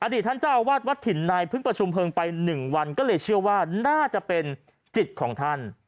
ท่านเจ้าอาวาสวัดถิ่นในเพิ่งประชุมเพลิงไป๑วันก็เลยเชื่อว่าน่าจะเป็นจิตของท่าน